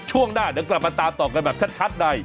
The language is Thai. ช่วงหน้าเดี๋ยวกลับมาตามต่อกันแบบชัดใน